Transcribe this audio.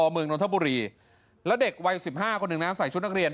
มนนนทบุรีแล้วเด็กวัยสิบห้าคนหนึ่งน่ะใส่ชุดนักเรียน